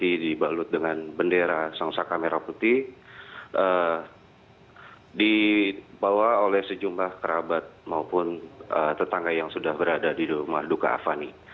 ini dibalut dengan bendera sangsaka merah putih dibawa oleh sejumlah kerabat maupun tetangga yang sudah berada di rumah duka avani